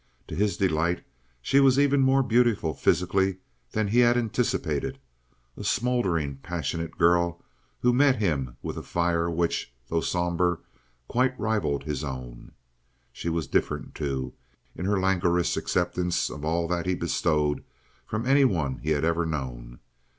To his delight, she was even more beautiful physically than he had anticipated—a smoldering, passionate girl who met him with a fire which, though somber, quite rivaled his own. She was different, too, in her languorous acceptance of all that he bestowed from any one he had ever known.